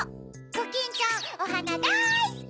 コキンちゃんおはなだいすき！